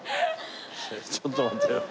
ちょっと待ってよ。